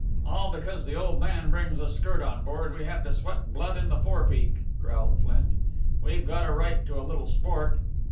"All because the old man brings a skirt on board, we have to sweat blood in the forepeak!" growled Flint. "We've got a right to a little sport."